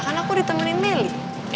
kan aku ditemani melly